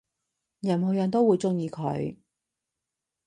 任何人都會鍾意佢